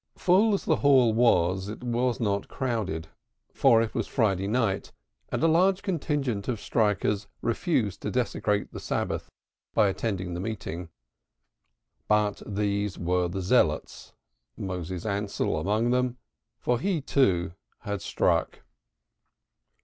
Full as the Hall was, it was not crowded, for it was Friday night and a large contingent of strikers refused to desecrate the Sabbath by attending the meeting. But these were the zealots Moses Ansell among them, for he, too, had struck.